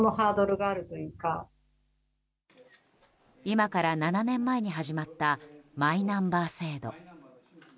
今から７年前に始まったマイナンバー制度。